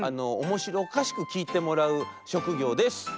おもしろおかしくきいてもらうしょくぎょうです。